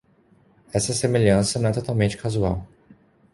Essa semelhança não é totalmente casual.